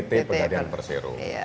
pt pegadaian persero